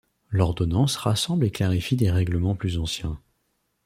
L’Ordonnance rassemble et clarifie des règlements plus anciens.